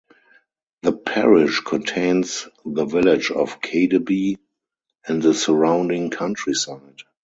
The parish contains the village of Cadeby and the surrounding countryside.